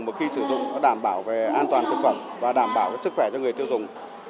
mà khi sử dụng nó đảm bảo về an toàn thực phẩm và đảm bảo sức khỏe cho người tiêu dùng